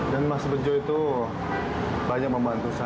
dan mas bejo itu banyak membantu saya